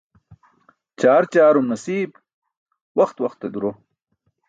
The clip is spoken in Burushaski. Ćaar ćaarum nasiib, waxt waxte duro.